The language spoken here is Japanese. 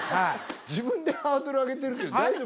自分でハードル上げてるけど大丈夫？